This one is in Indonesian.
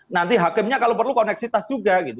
nanti hakimnya kalau perlu koneksitas juga gitu